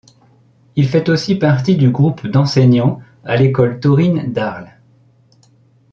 Il fait aussi partie du groupe d'enseignants à l'école taurine d'Arles.